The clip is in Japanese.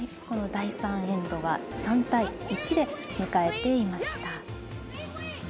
第３エンドは３対１で迎えていました。